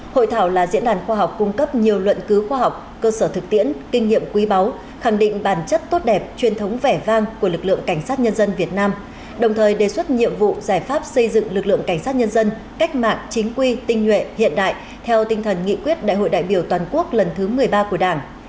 hội thảo là diễn đàn khoa học cung cấp nhiều luận cứu khoa học cơ sở thực tiễn kinh nghiệm quý báu khẳng định bản chất tốt đẹp truyền thống vẻ vang của lực lượng cảnh sát nhân dân việt nam đồng thời đề xuất nhiệm vụ giải pháp xây dựng lực lượng cảnh sát nhân dân cách mạng chính quy tinh nhuệ hiện đại theo tinh thần nghị quyết đại hội đại biểu toàn quốc lần thứ một mươi ba của đảng